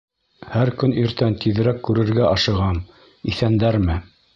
Һәр көн иртән тиҙерәк күрергә ашығам: иҫәндәрме